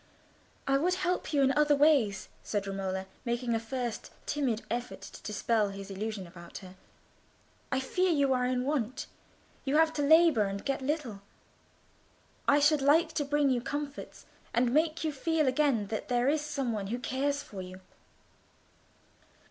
"I would help you in other ways," said Romola, making a first, timid effort to dispel his illusion about her. "I fear you are in want; you have to labour, and get little. I should like to bring you comforts, and make you feel again that there is some one who cares for you."